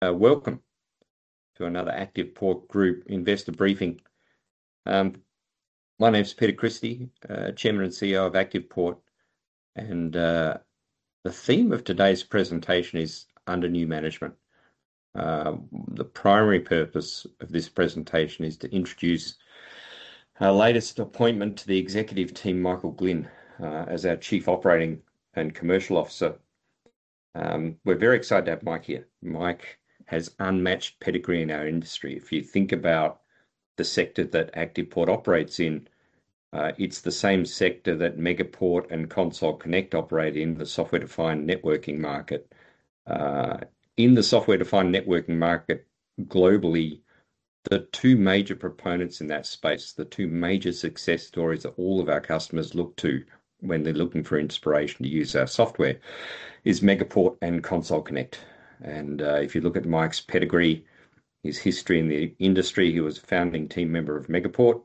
Welcome to another ActivePort Group investor briefing. My name's Peter Christie, Chairman and CEO of ActivePort, and the theme of today's presentation is Under New Management. The primary purpose of this presentation is to introduce our latest appointment to the executive team, Michael Glynn, as our Chief Operating and Commercial Officer. We're very excited to have Mike here. Mike has unmatched pedigree in our industry. If you think about the sector that ActivePort operates in, it's the same sector that Megaport and Console Connect operate in, the software-defined networking market. In the software-defined networking market globally, the two major proponents in that space, the two major success stories that all of our customers look to when they're looking for inspiration to use our software is Megaport and Console Connect. If you look at Mike's pedigree, his history in the industry, he was a founding team member of Megaport,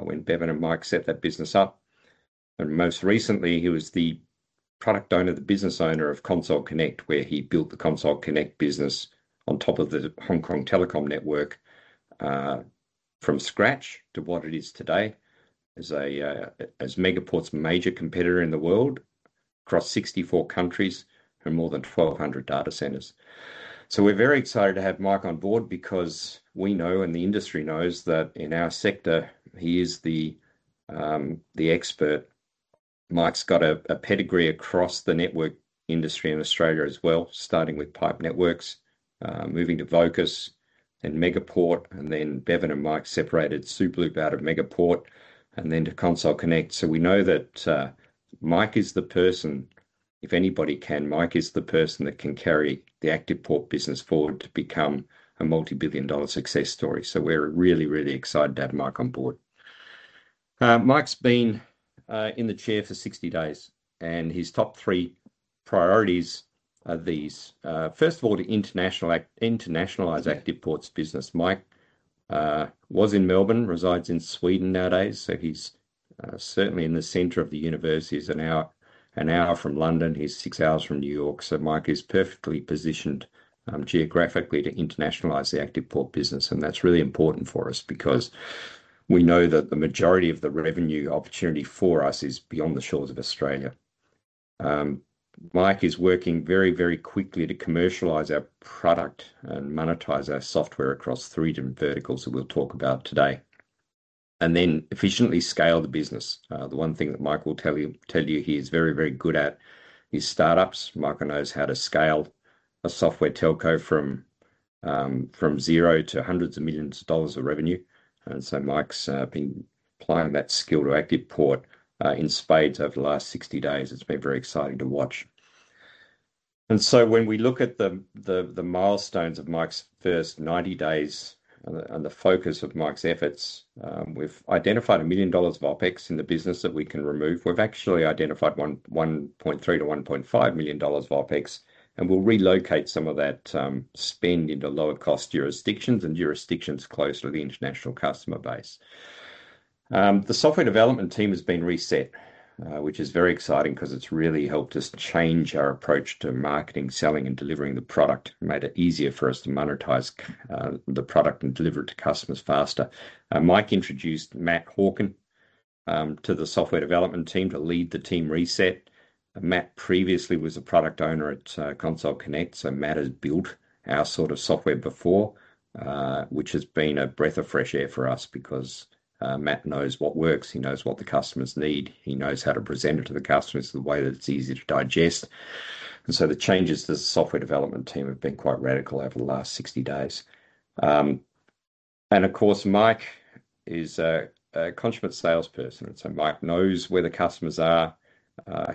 when Bevan and Mike set that business up. Most recently, he was the product owner, the business owner of Console Connect, where he built the Console Connect business on top of the Hong Kong telecom network from scratch to what it is today as Megaport's major competitor in the world across 64 countries and more than 1,200 data centers. We're very excited to have Mike on board because we know and the industry knows that in our sector, he is the expert. Mike's got a pedigree across the network industry in Australia as well, starting with PIPE Networks, moving to Vocus, then Megaport, and then Bevan and Mike separated Superloop out of Megaport, and then to Console Connect. We know that Mike is the person, if anybody can, Mike is the person that can carry the ActivePort business forward to become a multi-billion dollar success story. We're really excited to have Mike on board. Mike's been in the chair for 60 days, his top three priorities are these. First of all, to internationalize ActivePort's business. Mike was in Melbourne, resides in Sweden nowadays, he's certainly in the center of the universe. He's an hour from London. He's six hours from New York. Mike is perfectly positioned geographically to internationalize the ActivePort business, and that's really important for us because we know that the majority of the revenue opportunity for us is beyond the shores of Australia. Mike is working very quickly to commercialize our product and monetize our software across three different verticals that we'll talk about today, then efficiently scale the business. The one thing that Mike will tell you he is very good at is startups. Mike knows how to scale a software telco from zero to hundreds of millions of dollars of revenue. Mike's been applying that skill to ActivePort in spades over the last 60 days. It's been very exciting to watch. When we look at the milestones of Mike's first 90 days and the focus of Mike's efforts, we've identified 1 million dollars of OpEx in the business that we can remove. We've actually identified 1.3 million-1.5 million dollars of OpEx, and we'll relocate some of that spend into lower-cost jurisdictions and jurisdictions closer to the international customer base. The software development team has been reset, which is very exciting because it's really helped us change our approach to marketing, selling, and delivering the product. Made it easier for us to monetize the product and deliver it to customers faster. Mike introduced Matt Hawken to the software development team to lead the team reset. Matt previously was a product owner at Console Connect, Matt has built our sort of software before, which has been a breath of fresh air for us because Matt knows what works. He knows what the customers need. He knows how to present it to the customers in the way that it's easy to digest. The changes to the software development team have been quite radical over the last 60 days. Of course, Mike is a consummate salesperson, Mike knows where the customers are.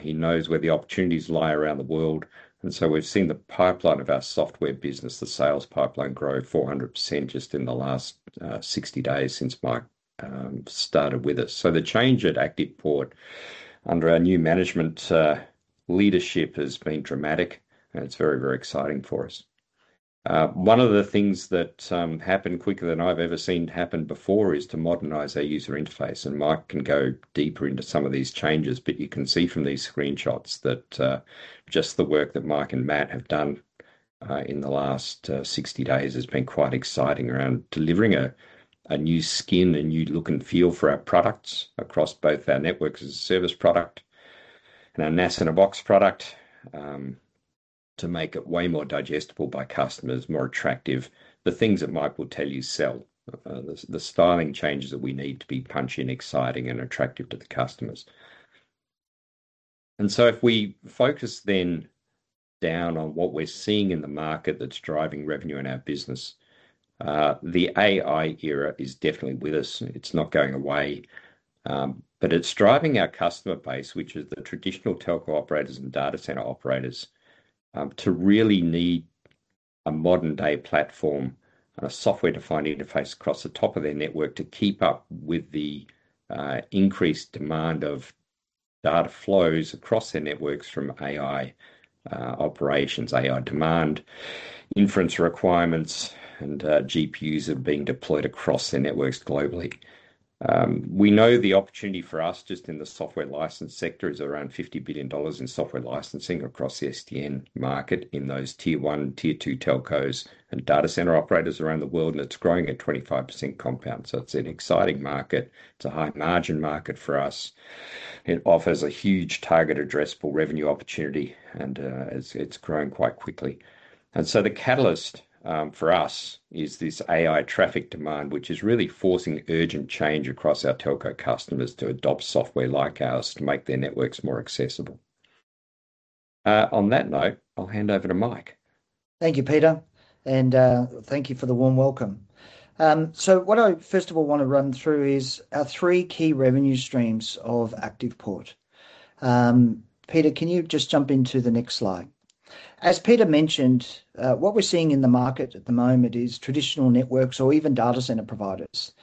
He knows where the opportunities lie around the world. We've seen the pipeline of our software business, the sales pipeline grow 400% just in the last 60 days since Mike started with us. The change at ActivePort under our new management leadership has been dramatic, and it's very, very exciting for us. One of the things that happened quicker than I've ever seen happen before was the modernization of our user interface, and Mike can go deeper into some of these changes, but you can see from these screenshots that just the work that Mike and Matt have done in the last 60 days has been quite exciting around delivering a new skin, a new look and feel for our products across both our Network-as-a-Service product and our NaaS-in-a-Box product, to make it way more digestible by customers, more attractive. The things that Mike will tell you sell. The styling changes that we need to be punchy and exciting and attractive to the customers. If we focus then down on what we're seeing in the market that's driving revenue in our business, the AI era is definitely with us, and it's not going away. It's driving our customer base, which comprises the traditional telco operators and data center operators, to really need a modern-day platform and a software-defined interface across the top of their network to keep up with the increased demand of data flows across their networks from AI operations, AI demand, inference requirements, as GPUs are being deployed across their networks globally. We know the opportunity for us just in the software license sector is around 50 billion dollars in software licensing across the SDN market in those Tier 1, Tier 2 telcos and data center operators around the world, and it's growing at 25% compound. It's an exciting market. It's a high-margin market for us. It offers a huge target addressable revenue opportunity, and it's growing quite quickly. The catalyst for us is this AI traffic demand, which is really forcing urgent change across our telco customers to adopt software like ours to make their networks more accessible. On that note, I'll hand over to Mike. Thank you, Peter, and thank you for the warm welcome. What I first of all want to run through is our three key revenue streams of ActivePort. Peter, can you just jump into the next slide? As Peter mentioned, what we're seeing in the market at the moment is traditional networks or even data center providers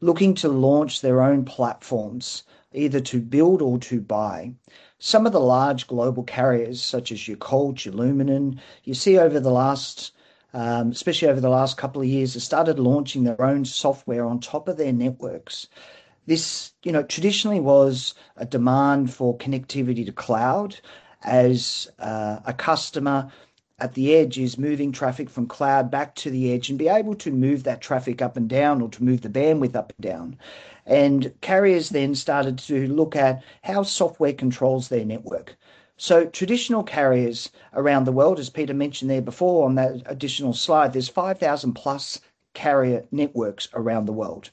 looking to launch their own platforms, either to build or to buy. Some of the large global carriers such as Colt, Lumen, you see over the last, especially over the last couple of years, have started launching their own software on top of their networks. This traditionally was a demand for connectivity to cloud as a customer at the edge is moving traffic from cloud back to the edge, and be able to move that traffic up and down or to move the bandwidth up and down. Carriers then started to look at how software controls their network. Traditional carriers around the world, as Peter mentioned there before on that additional slide, there's 5,000+ carrier networks around the world.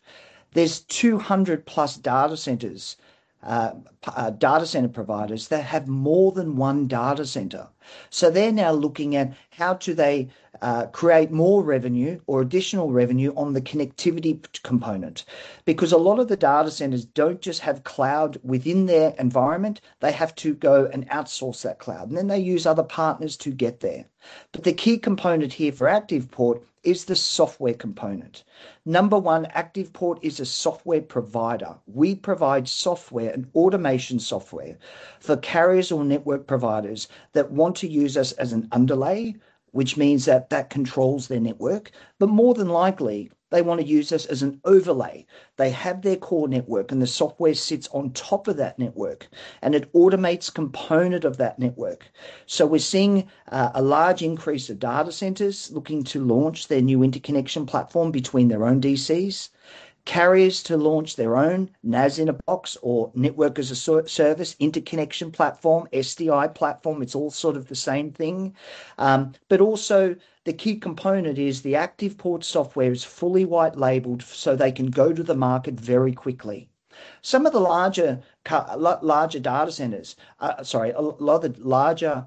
There's 200+ data centers, data center providers that have more than one data center. They're now looking at how do they create more revenue or additional revenue on the connectivity component because a lot of the data centers don't just have cloud within their environment, they have to go and outsource that cloud, and then they use other partners to get there. The key component here for ActivePort is the software component. Number one, ActivePort is a software provider. We provide software and automation software for carriers or network providers that want to use us as an underlay, which means that that controls their network. More than likely, they want to use us as an overlay. They have their core network, and the software sits on top of that network, and it automates components of that network. We're seeing a large increase in data centers looking to launch their new interconnection platform between their own DCs, and carriers to launch their own NaaS-in-a-Box or Network-as-a-Service interconnection platform, or SDN platform. It's all sort of the same thing. Also, the key component is that the ActivePort software is fully white-labeled, so they can go to the market very quickly. Some of the larger data centers, sorry, a lot of the larger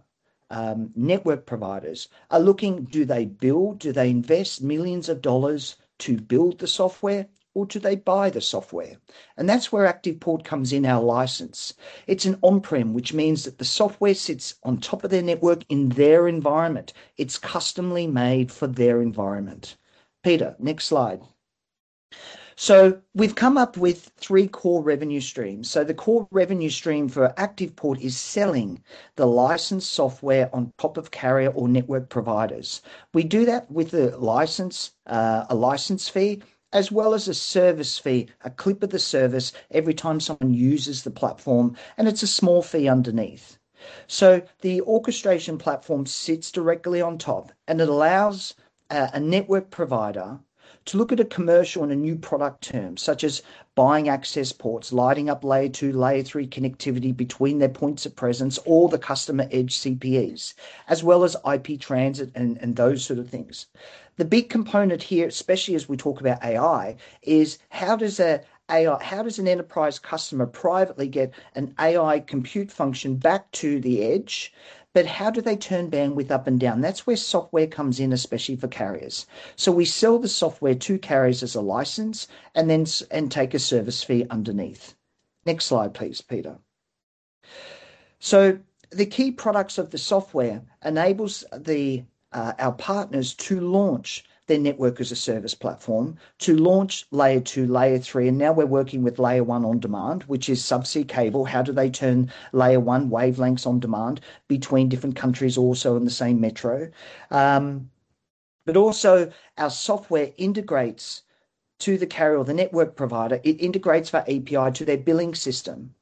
network providers are looking, do they build, do they invest millions of AUD to build the software, or do they buy the software? That's where ActivePort comes in our license. It's an on-prem, which means that the software sits on top of their network in their environment. It's custom-made for their environment. Peter, next slide. We've come up with three core revenue streams. The core revenue stream for ActivePort is selling the licensed software on top of carrier or network providers. We do that with a license fee as well as a service fee, a clip of the service every time someone uses the platform, and it's a small fee underneath. The orchestration platform sits directly on top, and it allows a network provider to look at a commercial on a new product term, such as buying access ports, lighting up layer-2 or layer-3 connectivity between their points of presence or the customer edge CPEs, as well as IP transit and those sorts of things. The big component here, especially as we talk about AI, is how does an enterprise customer privately get an AI compute function back to the edge, but how do they turn bandwidth up and down? That's where software comes in, especially for carriers. We sell the software to carriers as a license and take a service fee underneath. Next slide, please, Peter. The key products of the software enable our partners to launch their Network-as-a-Service platform, to launch launch layer-2, layer-3, and now we're working with layer one on demand, which is a subsea cable. How do they turn layer-1 wavelengths on demand between different countries also in the same metro? Also, our software integrates to the carrier or the network provider. It integrates via API to their billing system,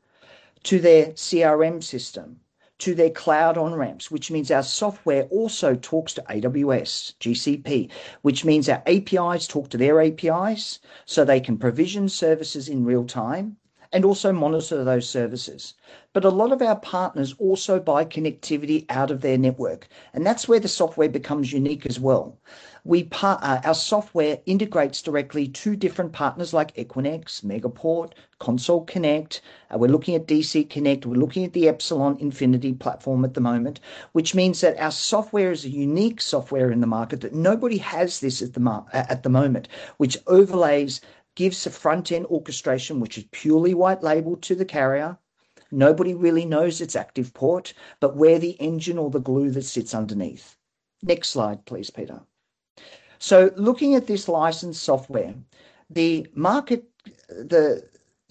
to their CRM system, to their cloud on-ramps, which means our software also talks to AWS, GCP, which means our APIs talk to their APIs, so they can provision services in real time and also monitor those services. A lot of our partners also buy connectivity out of their network, and that's where the software becomes unique as well. Our software integrates directly with different partners like Equinix, Megaport, Console Connect. We're looking at DCConnect. We're looking at the Epsilon Infiny platform at the moment, which means that our software is a unique software in the market that nobody has this at the moment, which overlays, gives the front-end orchestration, and is purely white-labeled to the carrier. Nobody really knows it's ActivePort, but we're the engine or the glue that sits underneath. Next slide, please, Peter. Looking at this licensed software, the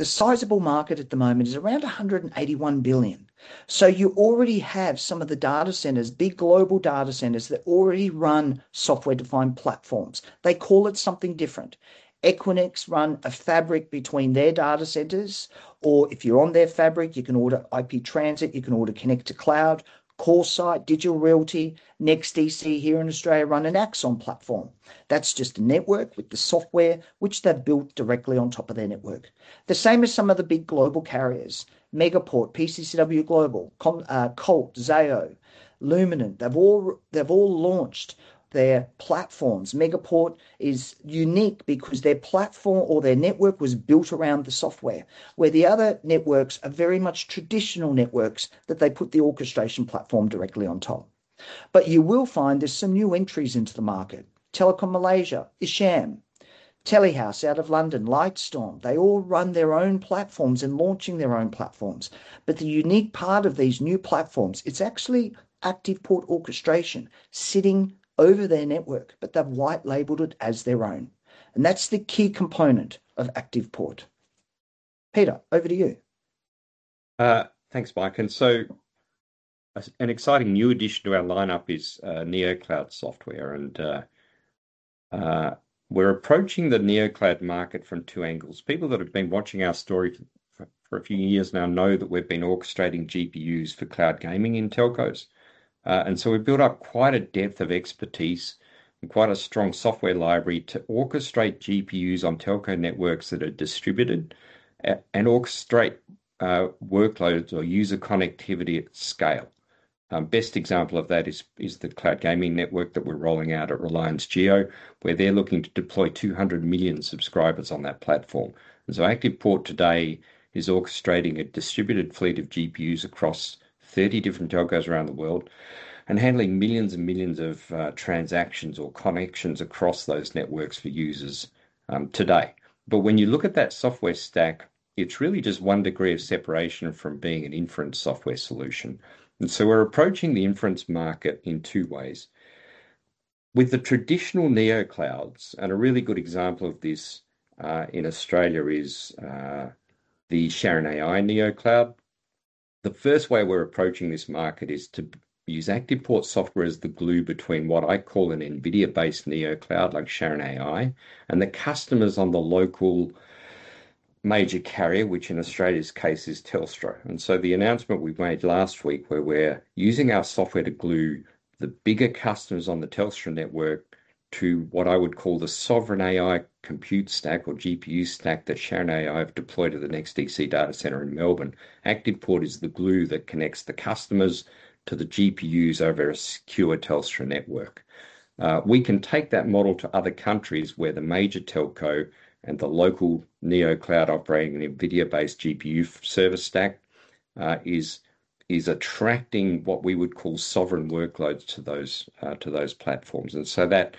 sizable market at the moment is around 181 billion. You already have some of the data centers, big global data centers that already run software-defined platforms. They call it something different. Equinix run a fabric between their data centers, or if you're on their fabric, you can order IP transit, you can order connectivity to the cloud, CoreSite, Digital Realty, NextDC here in Australia run an AXON platform. That's just a network with the software which they've built directly on top of their network. It is the same as some of the big global carriers, Megaport, PCCW Global, Colt, Zayo, Lumen. They've all launched their platforms. Megaport is unique because their platform or their network was built around the software, where the other networks are very much traditional networks that they put the orchestration platform directly on top. You will find there's some new entries into the market. Telekom Malaysia, Hisham, Telehouse out of London, Lightstorm. They all run their own platforms and launching their own platforms. The unique part of these new platforms is that it's actually ActivePort orchestration sitting over their networks, but they've white-labeled it as their own. That's the key component of ActivePort. Peter, over to you. Thanks, Mike. An exciting new addition to our lineup is neocloud software. We're approaching the neocloud market from two angles. People who have been watching our story for a few years now know that we've been orchestrating GPUs for cloud gaming in telcos. We've built up quite a depth of expertise and quite a strong software library to orchestrate GPUs on telco networks that are distributed and orchestrate workloads or user connectivity at scale. The best example of that is the cloud gaming network that we're rolling out at Reliance Jio, where they're looking to deploy 200 million subscribers on that platform. ActivePort today is orchestrating a distributed fleet of GPUs across 30 different telcos around the world and handling millions and millions of transactions or connections across those networks for users today. When you look at that software stack, it's really just one degree of separation from being an inference software solution. We're approaching the inference market in two ways. With the traditional neoclouds, and a really good example of this in Australia is the Sharon AI neocloud. The first way we are approaching this market is to use ActivePort software as the glue between what I call an NVIDIA-based neocloud, like Sharon AI, and the customers on the local major carrier, which in Australia's case is Telstra. The announcement we made last week where we're using our software to glue the bigger customers on the Telstra network to what I would call the sovereign AI compute stack or GPU stack that Sharon AI have deployed at the NextDC data center in Melbourne. ActivePort is the glue that connects the customers to the GPUs over a secure Telstra network. We can take that model to other countries where the major telco and the local neocloud operating an NVIDIA-based GPU service stack is attracting what we would call sovereign workloads to those platforms. That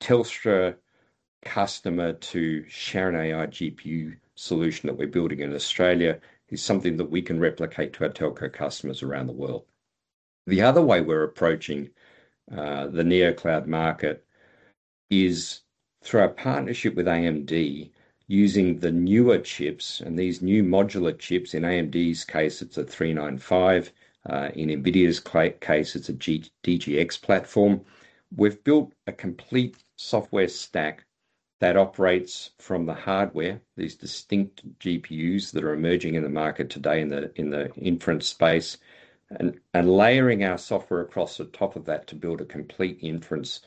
Telstra-customer-to-Sharon-AI-GPU solution that we're building in Australia is something that we can replicate to our telco customers around the world. The other way we're approaching the neocloud market is through our partnership with AMD using the newer chips and these new modular chips. In AMD's case, it's a MI395. In NVIDIA's case, it's a DGX platform. We've built a complete software stack that operates from the hardware, these distinct GPUs that are emerging in the market today in the inference space, and layering our software across the top of that to build a complete inference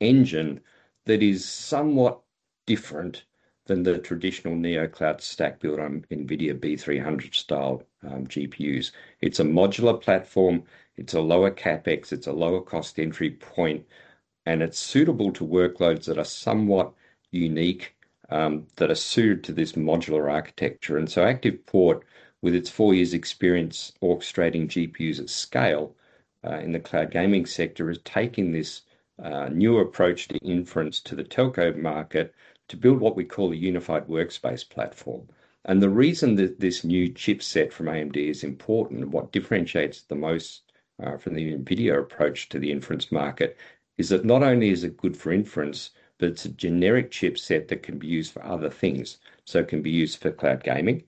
engine that is somewhat different than the traditional neocloud stack built on NVIDIA B300 style GPUs. It's a modular platform, it's a lower CapEx, it's a lower cost entry point, and it's suitable to workloads that are somewhat unique, that are suited to this modular architecture. ActivePort, with its four years experience orchestrating GPUs at scale in the cloud gaming sector, is taking this newer approach to inference to the telco market to build what we call a unified workspace platform. The reason that this new chipset from AMD is important and what differentiates the most from the NVIDIA approach to the inference market is that not only is it good for inference, but it's a generic chipset that can be used for other things. It can be used for cloud gaming,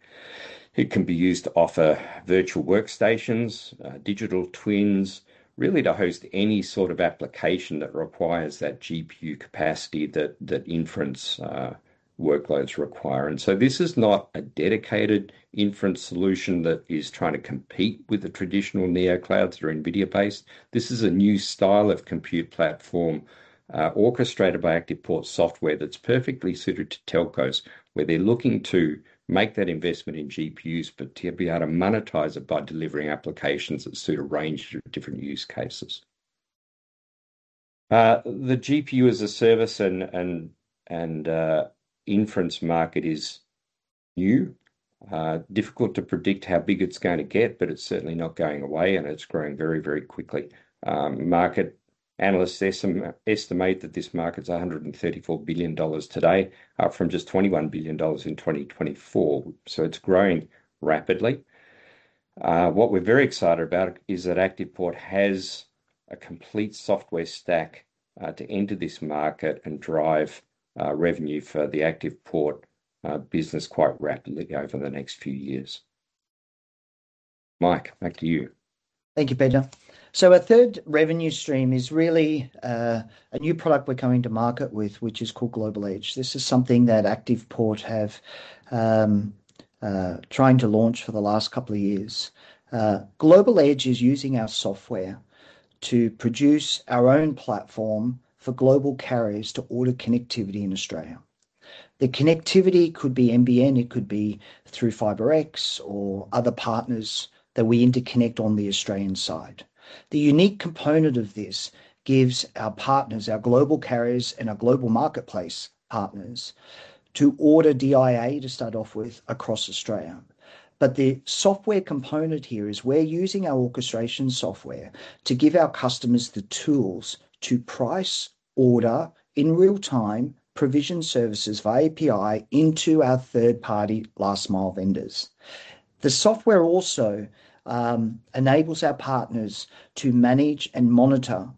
it can be used to offer virtual workstations, digital twins, really to host any sort of application that requires that GPU capacity that inference workloads require. This is not a dedicated inference solution that is trying to compete with the traditional neoclouds that are NVIDIA-based. This is a new style of compute platform orchestrated by ActivePort software that's perfectly suited to telcos, where they're looking to make that investment in GPUs, but to be able to monetize it by delivering applications that suit a range of different use cases. The GPU-as-a-service and inference market is new. Difficult to predict how big it's going to get, but it's certainly not going away, and it's growing very, very quickly. Market analysts estimate that this market is 134 billion dollars today, up from just 21 billion dollars in 2024. It's growing rapidly. What we're very excited about is that ActivePort has a complete software stack to enter this market and drive revenue for the ActivePort business quite rapidly over the next few years. Mike, back to you. Thank you, Peter. Our third revenue stream is really a new product we're coming to market with, which is called Global Edge. This is something that ActivePort have trying to launch for the last couple of years. Global Edge is using our software to produce our own platform for global carriers to order connectivity in Australia. The connectivity could be NBN, it could be through FiberX or other partners that we interconnect on the Australian side. The unique component of this gives our partners, our global carriers, and our global marketplace partners to order DIA, to start off with, across Australia. The software component here is we're using our orchestration software to give our customers the tools to price, order, in real time, provision services via API into our third-party last-mile vendors. The software also enables our partners to manage and monitor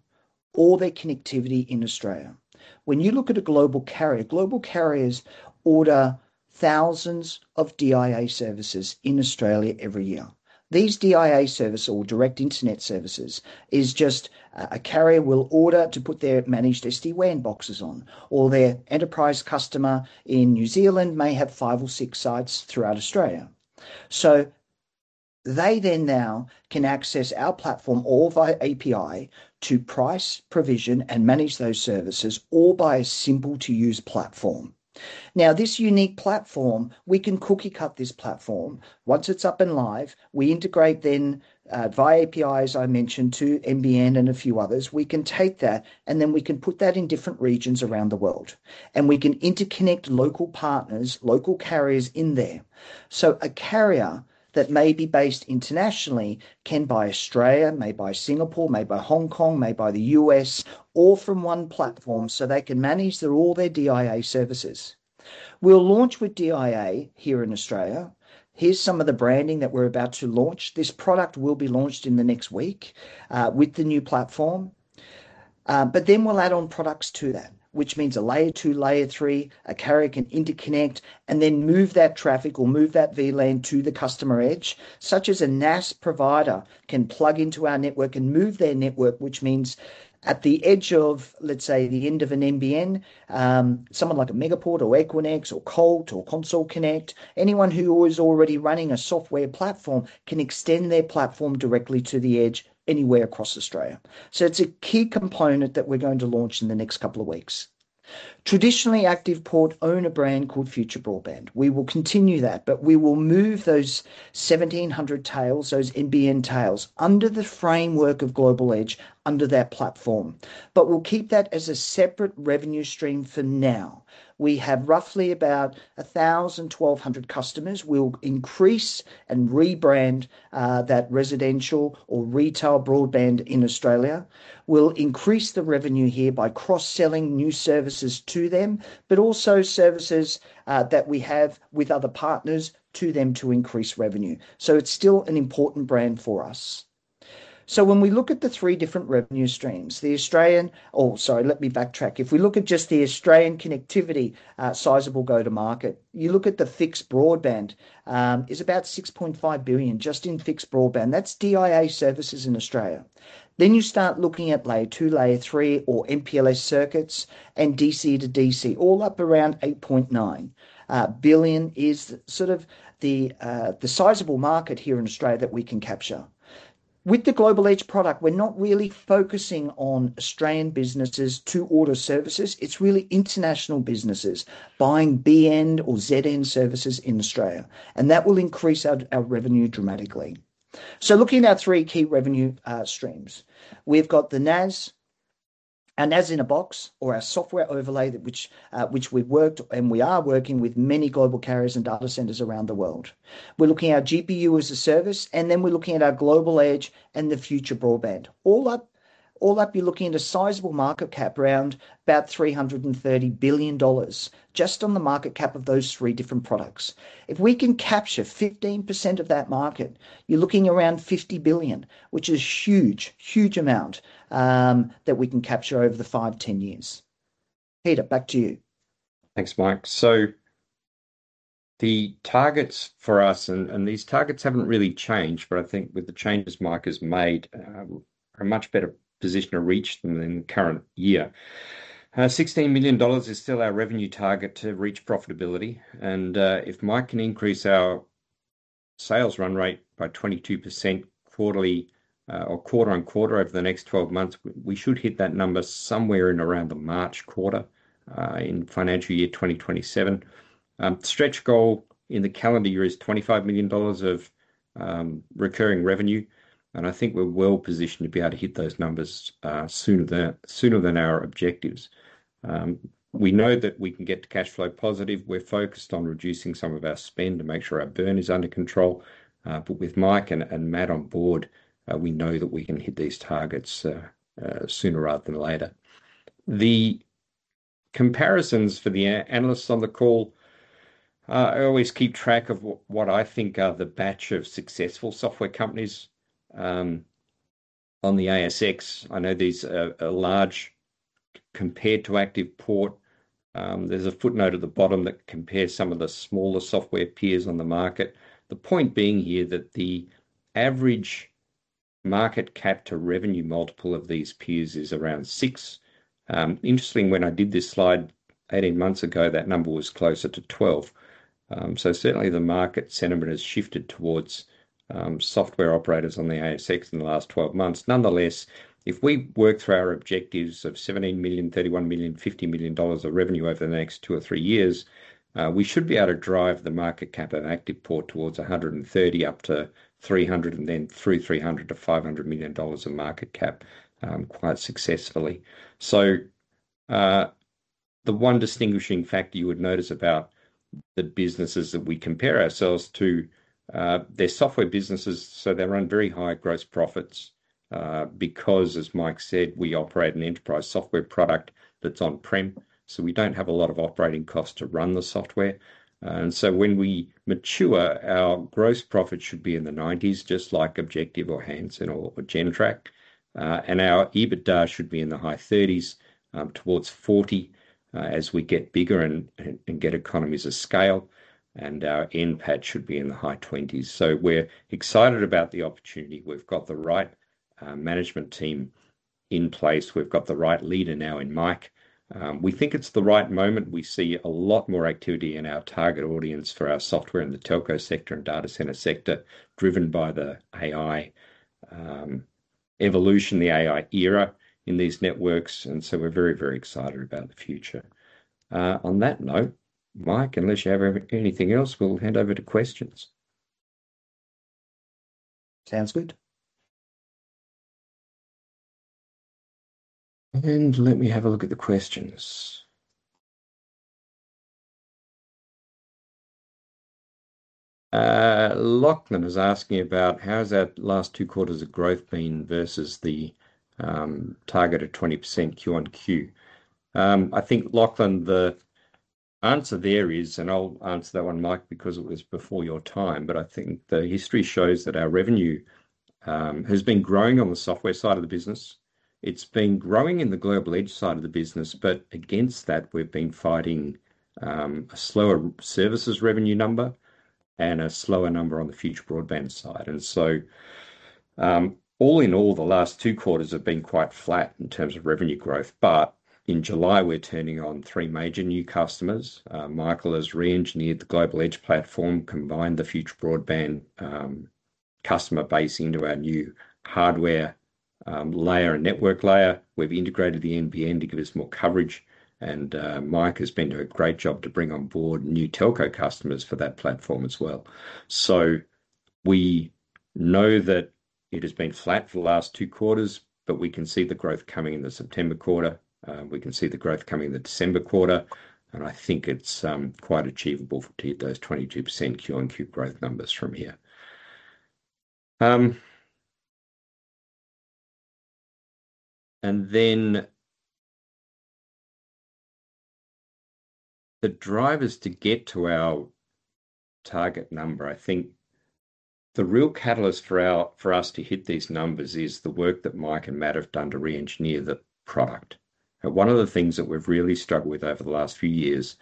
all their connectivity in Australia. When you look at a global carrier, global carriers order thousands of DIA services in Australia every year. These DIA service or direct internet services is just a carrier will order to put their managed SD-WAN boxes on, or their enterprise customer in New Zealand may have five or six sites throughout Australia. They then now can access our platform all via API to price, provision, and manage those services all by a simple-to-use platform. This unique platform, we can cookie cut this platform. Once it's up and live, we integrate then via API, as I mentioned, to NBN and a few others. We can take that, we can put that in different regions around the world, and we can interconnect local partners, local carriers in there. A carrier that may be based internationally can buy Australia, may buy Singapore, may buy Hong Kong, may buy the U.S., all from one platform. They can manage all their DIA services. We'll launch with DIA here in Australia. Here's some of the branding that we're about to launch. This product will be launched in the next week, with the new platform. We'll add on products to that, which means a layer-2, layer-3, a carrier can interconnect and then move that traffic or move that VLAN to the customer edge. Such as a NaaS provider can plug into our network and move their network, which means at the edge of, let's say, the end of an NBN, someone like a Megaport or Equinix or Colt or Console Connect, anyone who is already running a software platform can extend their platform directly to the edge anywhere across Australia. It's a key component that we're going to launch in the next couple of weeks. Traditionally, ActivePort own a brand called Future Broadband. We will continue that, but we will move those 1,700 tails, those NBN tails, under the framework of Global Edge under that platform. We'll keep that as a separate revenue stream for now. We have roughly about 1,000, 1,200 customers. We'll increase and rebrand that residential or retail broadband in Australia. We'll increase the revenue here by cross-selling new services to them, but also services that we have with other partners to them to increase revenue. It's still an important brand for us. When we look at the three different revenue streams, the Australian Oh, sorry. Let me backtrack. If we look at just the Australian connectivity sizable go-to-market, you look at the fixed broadband, is about 6.5 billion just in fixed broadband. That's DIA services in Australia. You start looking at layer-2, layer-3, or MPLS circuits and DC to DC, all up around 8.9 billion is sort of the sizable market here in Australia that we can capture. With the Global Edge product, we're not really focusing on Australian businesses to order services. It's really international businesses buying NBN or Vocus services in Australia, and that will increase our revenue dramatically. Looking at our three key revenue streams. We've got the NaaS, a NaaS-in-a-Box or our software overlay, which we've worked and we are working with many global carriers and data centers around the world. We're looking at our GPU-as-a-Service, and we're looking at our Global Edge and the Future Broadband. All up, you're looking at a sizable market cap around about 330 billion dollars, just on the market cap of those three different products. If we can capture 15% of that market, you're looking around 50 billion, which is huge amount, that we can capture over the five, 10 years. Peter, back to you. Thanks, Mike. The targets for us, and these targets haven't really changed, but I think with the changes Mike has made, are a much better position to reach than in the current year. 16 million dollars is still our revenue target to reach profitability, and if Mike can increase our sales run rate by 22% quarterly, or quarter-on-quarter over the next 12 months, we should hit that number somewhere in around the March quarter, in financial year 2027. The stretch goal in the calendar year is 25 million dollars of recurring revenue, and I think we're well positioned to be able to hit those numbers sooner than our objectives. We know that we can get to cash flow positive. We're focused on reducing some of our spend to make sure our burn is under control. With Mike and Matt on board, we know that we can hit these targets sooner rather than later. Here are comparisons for the analysts on the call. I always keep track of what I think are the batch of successful software companies on the ASX. I know these are large compared to ActivePort. There's a footnote at the bottom that compares some of the smaller software peers on the market. The point being here that the average market-cap-to-revenue multiple of these peers is around six. Interesting, when I did this slide 18 months ago, that number was closer to 12. Certainly the market sentiment has shifted towards software operators on the ASX in the last 12 months. Nonetheless, if we work through our objectives of 17 million, 31 million, 50 million dollars of revenue over the next two or three years, we should be able to drive the market cap of ActivePort towards 130 million up to 300 million, and then through 300 million-500 million dollars of market cap, quite successfully. The one distinguishing factor you would notice about the businesses that we compare ourselves to, they're software businesses, so they run very high gross profits. Because, as Mike said, we operate an enterprise software product that's on-prem, we don't have a lot of operating costs to run the software. When we mature, our gross profit should be in the 90%, just like Objective or Hansen or Gentrack. Our EBITDA should be in the high 30%, towards 40%, as we get bigger and get economies of scale, and our NPAT should be in the high 20%s. We're excited about the opportunity. We've got the right management team in place. We've got the right leader now in Mike. We think it's the right moment. We see a lot more activity in our target audience for our software in the telco sector and data center sector, driven by the AI evolution, the AI era in these networks, we're very excited about the future. On that note, Mike, unless you have anything else, we'll hand over to questions. Sounds good. Let me have a look at the questions. Lachlan was asking about how's our last two quarters of growth been versus the target of 20% Q-on-Q. I think, Lachlan, the answer there is, and I'll answer that one, Mike, because it was before your time, but I think the history shows that our revenue has been growing on the software side of the business. It's been growing in the Global Edge side of the business, but against that, we've been fighting a slower services revenue number and a slower number on the Future Broadband side. All in all, the last two quarters have been quite flat in terms of revenue growth. In July, we're turning on three major new customers. Michael has re-engineered the Global Edge platform, combined the Future Broadband customer base into our new hardware layer and network layer. We've integrated the NBN to give us more coverage. Mike has been doing a great job to bring on board new telco customers for that platform as well. We know that it has been flat for the last two quarters, but we can see the growth coming in the September quarter. We can see the growth coming in the December quarter, and I think it's quite achievable to hit those 22% Q-on-Q growth numbers from here. Regarding the drivers to get to our target number, I think the real catalyst for us to hit these numbers is the work that Mike and Matt have done to re-engineer the product. One of the things that we've really struggled with over the last few years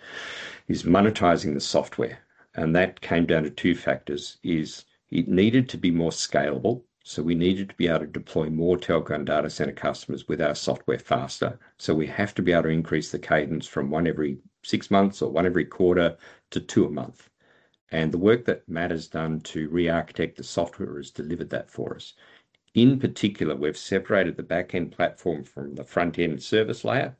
is monetizing the software, and that came down to two factors: it needed to be more scalable, so we needed to be able to deploy more telco and data center customers with our software faster. We have to be able to increase the cadence from one every six months or one every quarter to two per month. The work that Matt has done to re-architect the software has delivered that for us. In particular, we've separated the back-end platform from the front-end service layer,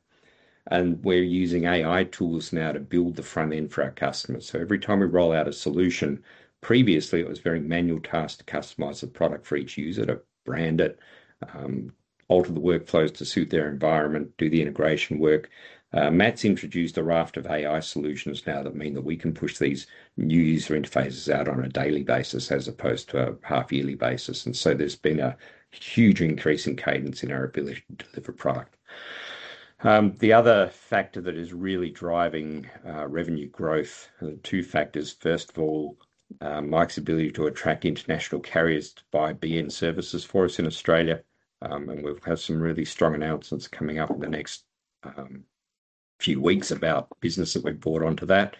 and we're using AI tools now to build the front end for our customers. Every time we roll out a solution, previously, it was a very manual task to customize the product for each user, to brand it, and to alter the workflows to suit their environment, do the integration work. Matt's introduced a raft of AI solutions now that mean that we can push these new user interfaces out on a daily basis as opposed to a half-yearly basis. There's been a huge increase in cadence in our ability to deliver product. The other factor that is really driving revenue growth, two factors. First of all, Mike's ability to attract international carriers to buy NBN services for us in Australia, and we'll have some really strong announcements coming up in the next few weeks about business that we've brought onto that.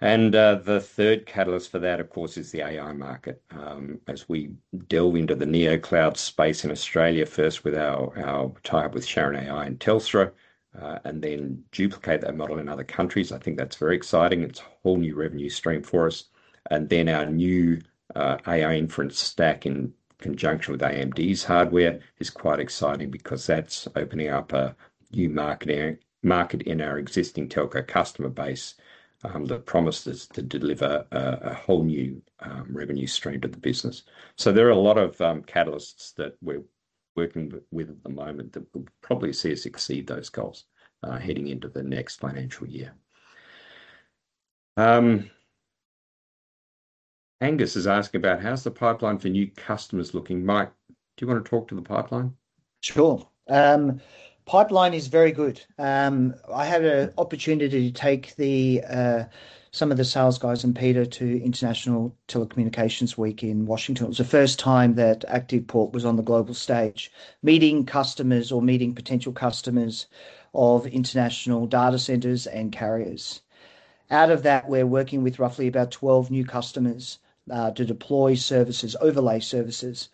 The third catalyst for that, of course, is the AI market. As we delve into the neocloud space in Australia, first with our tie-up with Sharon AI and Telstra, and then duplicate that model in other countries. I think that's very exciting. It's a whole new revenue stream for us. Then our new AI inference stack in conjunction with AMD's hardware is quite exciting because that's opening up a new market in our existing telco customer base, that promises to deliver a whole new revenue stream to the business. There are a lot of catalysts that we're working with at the moment that will probably see us exceed those goals heading into the next financial year. Angus is asking about, how's the pipeline for new customers looking? Mike, do you want to talk to the pipeline? Sure. The pipeline is very good. I had an opportunity to take some of the sales guys and Peter to International Telecoms Week in Washington. It was the first time that ActivePort was on the global stage, meeting customers or meeting potential customers of international data centers and carriers. Out of that, we're working with roughly about 12 new customers to deploy services, overlay services.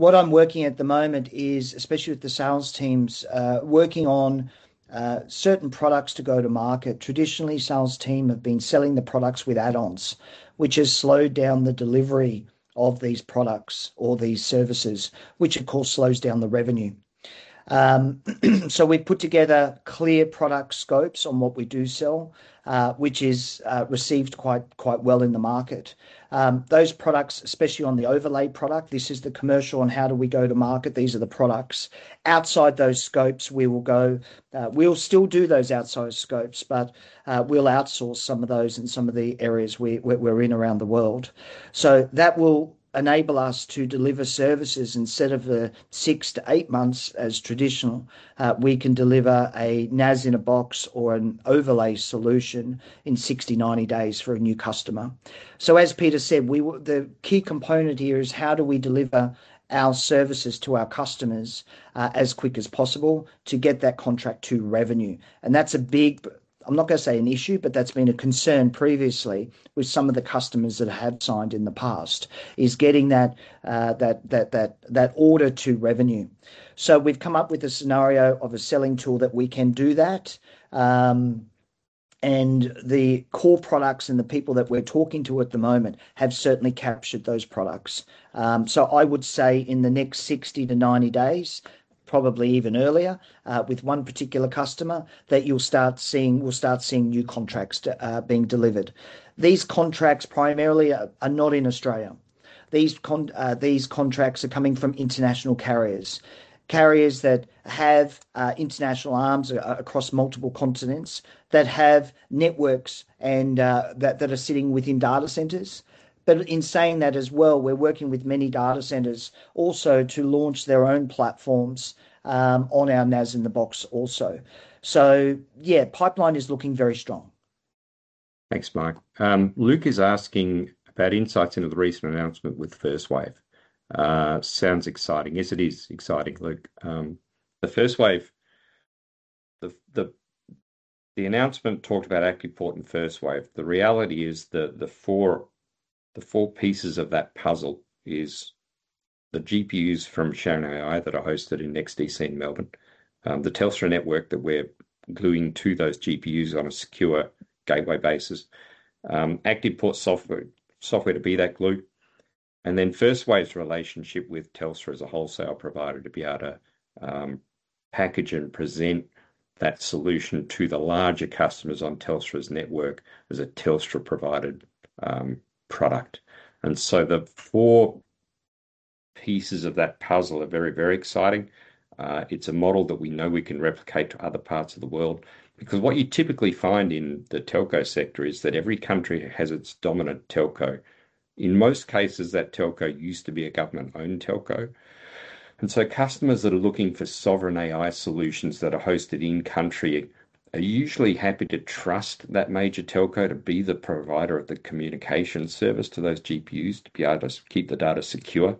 What I'm working at the moment is, especially with the sales teams, working on certain products to go to market. Traditionally, the sales teams have been selling the products with add-ons, which has slowed down the delivery of these products or these services, which of course slows down the revenue. We've put together clear product scopes on what we sell, and they are received quite well in the market. For those products, especially on the overlay product, this is the commercial on how we go to market. These are the products. Outside those scopes, we'll still do those outside scopes, but we'll outsource some of those in some of the areas we're in around the world. That will enable us to deliver services. Instead of the six to eight months that is traditional, we can deliver a NaaS-in-a-Box or an overlay solution in 60 to 90 days for a new customer. As Peter said, the key component here is how we deliver our services to our customers, as quickly as possible to get that contract to revenue. That's a big, I'm not going to say an issue, but that's been a concern previously with some of the customers that have signed in the past, is getting that order to revenue. We've come up with a scenario of a selling tool that we can do that. The core products and the people that we're talking to at the moment have certainly captured those products. I would say that in the next 60-90 days, probably even earlier, with one particular customer, that we'll start seeing new contracts being delivered. These contracts primarily are not in Australia. These contracts are coming from international carriers. Carriers that have international arms across multiple continents, that have networks and that are sitting within data centers. In saying that as well, we're working with many data centers also to launch their own platforms, built on our NaaS-in-a-Box also. The pipeline is looking very strong. Thanks, Mike. Luke is asking about insights into the recent announcement with FirstWave. Sounds exciting. Yes, it is exciting, Luke. The FirstWave, the announcement talked about ActivePort and FirstWave. The reality is that the four pieces of that puzzle are the GPUs from Sharon AI that are hosted in NextDC in Melbourne, the Telstra network that we're gluing to those GPUs on a secure gateway basis, ActivePort software to be that glue, and then FirstWave's relationship with Telstra as a wholesale provider to be able to package and present that solution to the larger customers on Telstra's network as a Telstra provided product. The four pieces of that puzzle are very, very exciting. It's a model that we know we can replicate to other parts of the world. What you typically find in the telco sector is that every country has its dominant telco. In most cases, that telco used to be a government-owned telco. Customers who are looking for sovereign AI solutions that are hosted in country are usually happy to trust that major telco to be the provider of the communication service to those GPUs to be able to keep the data secure,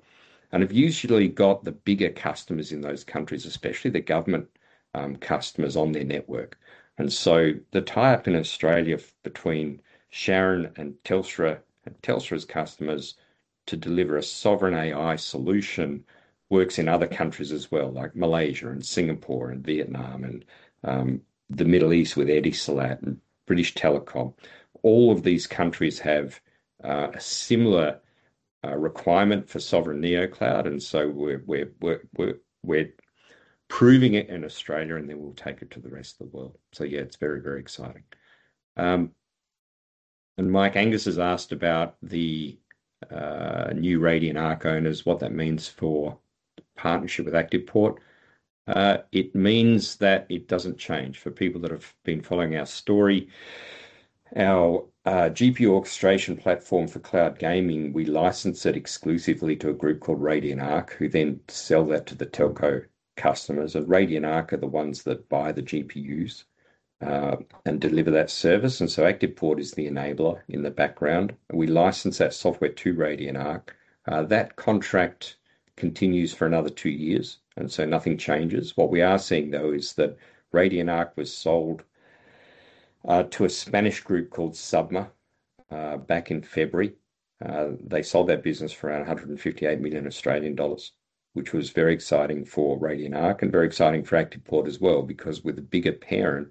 and have usually got the bigger customers in those countries, especially the government customers on their networks. The tie-up in Australia between Sharon AI and Telstra, and Telstra's customers to deliver a sovereign AI solution works in other countries as well, like Malaysia and Singapore and Vietnam and the Middle East with e& and British Telecom. All of these countries have a similar requirement for sovereign neocloud, we're proving it in Australia, and then we'll take it to the rest of the world. It's very, very exciting. Mike, Angus has asked about the new Radian Arc owners and what that means for the partnership with ActivePort. It means that it doesn't change. For people who have been following our story, our GPU orchestration platform for cloud gaming, we license it exclusively to a group called Radian Arc, who then sells that to their telco customers, and Radian Arc is the one that buys the GPUs, and delivers that service. ActivePort is the enabler in the background. We license that software to Radian Arc. That contract continues for another two years, nothing changes. What we are seeing, though, is that Radian Arc was sold to a Spanish group called Submer back in February. They sold that business for around 158 million Australian dollars, which was very exciting for Radian Arc and very exciting for ActivePort as well, because with a bigger parent,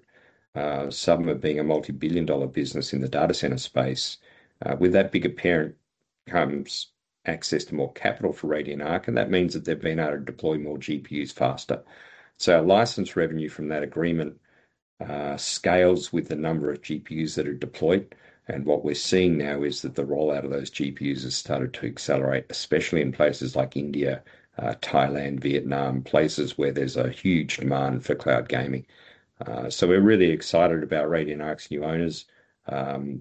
Submer being a multi-billion dollar business in the data center space, with that bigger parent comes access to more capital for Radian Arc, and that means that they've been able to deploy more GPUs faster. Our license revenue from that agreement scales with the number of GPUs that are deployed. What we're seeing now is that the rollout of those GPUs has started to accelerate, especially in places like India, Thailand, Vietnam, places where there's a huge demand for cloud gaming. We're really excited about Radian Arc's new owners.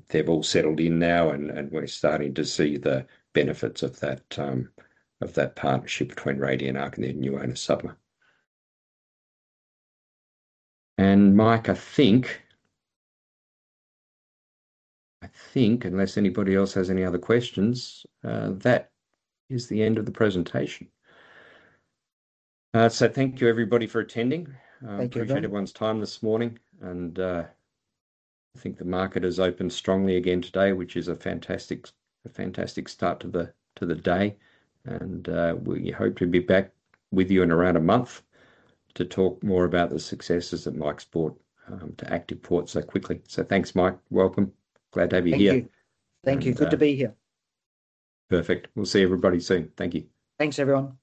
They've all settled in now, and we're starting to see the benefits of that partnership between Radian Arc and their new owner, Submer. Mike, I think, unless anybody else has any other questions, that is the end of the presentation. Thank you everybody for attending. Thank you, everyone. I appreciate everyone's time this morning. I think the market has opened strongly again today, which is a fantastic start to the day. We hope to be back with you in around a month to talk more about the successes that Mike's brought to ActivePort so quickly. Thanks, Mike. Welcome. Glad to have you here. Thank you. Thank you. Good to be here. Perfect. We'll see everybody soon. Thank you. Thanks, everyone.